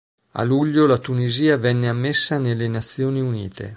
A luglio la Tunisia venne ammessa nelle Nazioni Unite.